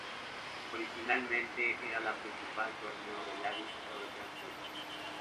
Originalmente era la principal torneo del Ladies European Tour.